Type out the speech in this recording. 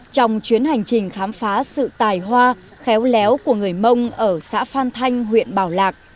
trong chuyến hành trình khám phá sự tài hoa khéo léo của người mông ở xã phan thanh huyện bảo lạc